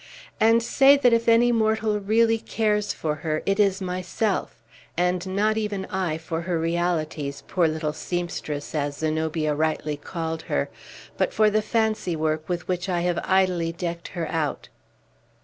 And say that if any mortal really cares for her, it is myself; and not even I for her realities, poor little seamstress, as Zenobia rightly called her! but for the fancy work with which I have idly decked her out!"